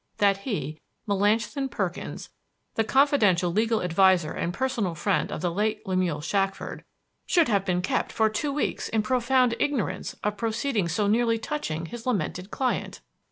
That he, Melanchthon Perkins, the confidential legal adviser and personal friend of the late Lemuel Shackford, should have been kept for two weeks in profound ignorance of proceedings so nearly touching his lamented client!